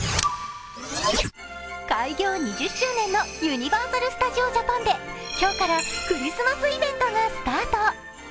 開業２０周年のユニバーサル・スタジオ・ジャパンで今日からクリスマスイベントがスタート。